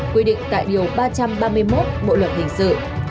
quy định tại điều ba trăm ba mươi một bộ luật hình sự